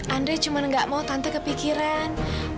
andri cuma nggak mau tante kepikiran